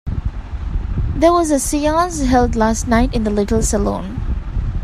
There was a seance held last night in the little salon.